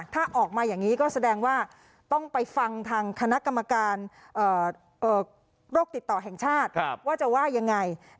ถ้าออกมาอย่างนี้ก็แสดงว่าต้องไปฟังทางคณะกรรมการโรคติดต่อแห่งชาติว่าจะว่ายังไง